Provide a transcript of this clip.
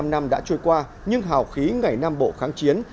bảy mươi năm năm đã trôi qua nhưng hào khí ngày nam bộ kháng chiến